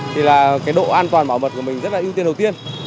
thì là cái độ an toàn bảo mật của mình rất là ưu tiên đầu tiên